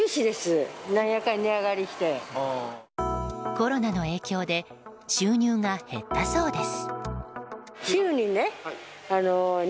コロナの影響で収入が減ったそうです。